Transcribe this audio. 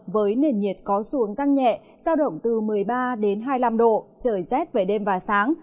với nền nhiệt có xuống tăng nhẹ giao động từ một mươi ba đến hai mươi năm độ trời rét về đêm và sáng